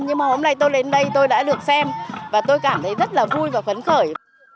nhưng mà hôm nay tôi lên đây tôi đã được xem và tôi cảm thấy rất là vui và phấn khởi